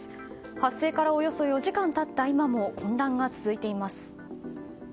発生からおよそ４時間経った今も混乱が続いています。